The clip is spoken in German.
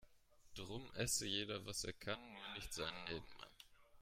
Drum esse jeder was er kann, nur nicht seinen Nebenmann.